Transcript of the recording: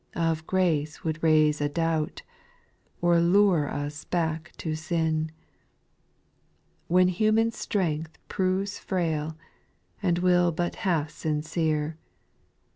Of grace would raise a doubt, Or lure us back to sin ;— When human strength i)roves frail, And w^ill but half sincere.